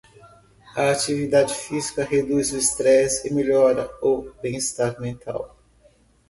A atividade física reduz o estresse e melhora o bem-estar mental.